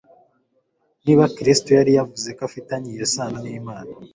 niba Kristo yari yavuzeko afitanye iyo sano n’Imana.